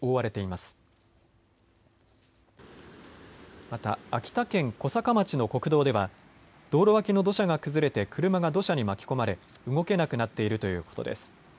また秋田県小坂町の国道では道路脇の土砂が崩れて車が土砂に巻き込まれ、動けなくなっているということです。